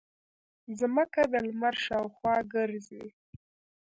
ځمکه د لمر شاوخوا ګرځي